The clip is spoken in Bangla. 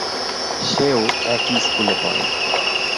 সেও একই স্কুলে পড়ে।